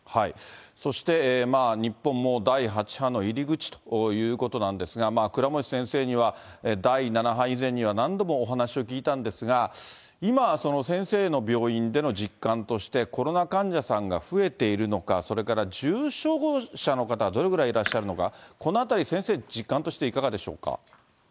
そして日本も第８波の入り口ということなんですが、倉持先生には第７波以前には何度もお話を聞いたんですが、今、先生の病院での実感として、コロナ患者さんが増えているのか、それから重症者の方はどれぐらいいらっしゃるのか、このあたり、先生、実感としていかがでしょうか。